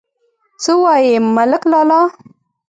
_څه وايي، ملک لالا؟